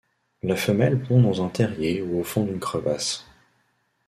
La femelle pond dans un terrier ou au fond d'une crevasse.